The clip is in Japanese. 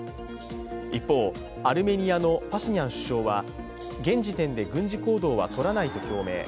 一方、アルメニアのパシニャン首相は現時点で軍事行動は取らないと表明。